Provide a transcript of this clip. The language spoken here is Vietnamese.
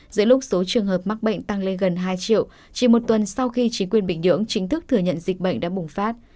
giữa lúc số trường hợp mắc bệnh tăng lên gần hai triệu chỉ một tuần sau khi chính quyền bình nhưỡng chính thức thừa nhận dịch bệnh đã bùng phát